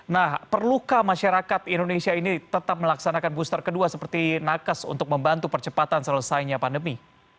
nah perlukah masyarakat indonesia ini tetap melaksanakan booster kedua seperti nakes untuk membantu percepatan selesainya pandemi